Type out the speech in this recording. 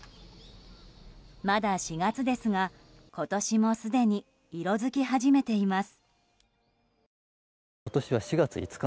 まだ４月ですが、今年もすでに色づき始めています。